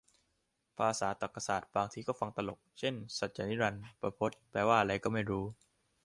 ภาษาตรรกศาสตร์บางทีก็ฟังตลก เช่นสัจนิรันดร์ ประพจน์ แปลว่าอะไรก็ไม่รู้